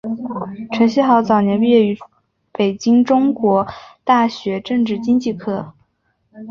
陈希豪早年毕业于北京中国大学政治经济科。